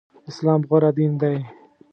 اسلام غوره دين دی.